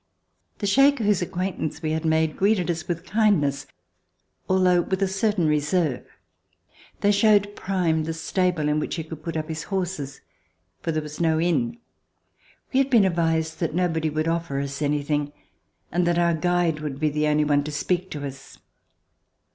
The Shaker, whose acquaintance we had made, greeted us with kindness, although with a certain reserve. They showed Prime the stable in which he could put up his horses, for there was no inn. We had been advised that nobody would offer us any thing, and that our guide would be the only one to speak to us.